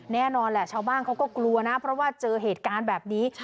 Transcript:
แน่นอนแหละชาวบ้านเขาก็กลัวนะเพราะว่าเจอเหตุการณ์แบบนี้